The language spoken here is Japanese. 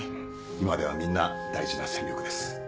今ではみんな大事な戦力です。